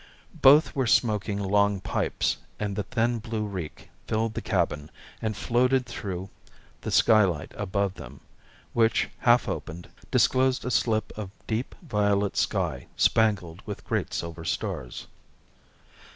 Both were smoking long pipes, and the thin blue reek filled the cabin and floated through the skylight above them, which, half opened, disclosed a slip of deep violet sky spangled with great silver stars.